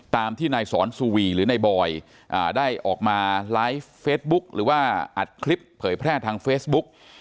ตามที่นายสอนสุวีหรือนายบอยได้ออกมาไลฟ์เฟซบุ๊คหรือว่าอัดคลิปเผยแพร่ทางเฟซบุ๊ก